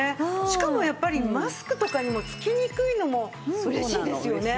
しかもやっぱりマスクとかにもつきにくいのも嬉しいですよね。